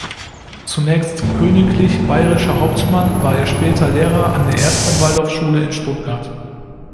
Zunächst königlich bayerischer Hauptmann war er später Lehrer an der ersten Waldorfschule in Stuttgart.